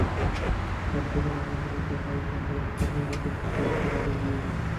প্রেমের ফাঁদ পেতে নগ্ন ছবি তুলে লোকজনকে ফাঁসানোর অভিযোগও রয়েছে তাঁদের বিরুদ্ধে।